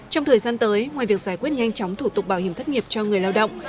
trong thời gian tới ngoài việc giải quyết nhanh chóng thủ tục bảo hiểm thất nghiệp cho người lao động